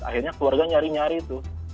akhirnya keluarga nyari nyari tuh